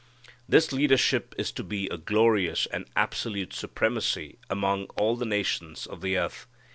This leadership is to be a glorious and absolute supremacy among all the nations of the earth.